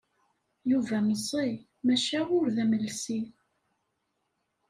Yuba meẓẓi, maca ur d amelsi.